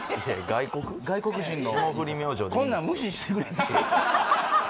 外国人のこんなん無視してくれてええ